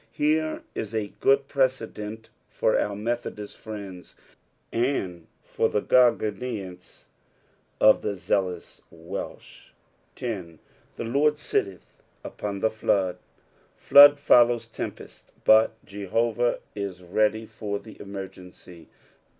Here is a good precedent for our Hethodist friends and for the Gogonionts of the zealous Welsh. 10. " The Lord lilleth vpon the feody Flood follows tempest, but Jehovah is ready fur the emergency.